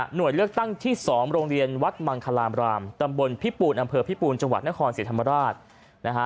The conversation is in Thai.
เลือกตั้งที่๒โรงเรียนวัดมังคลามรามตำบลพิปูนอำเภอพิปูนจังหวัดนครศรีธรรมราชนะฮะ